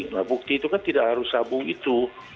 nah bukti itu kan tidak harus sabung itu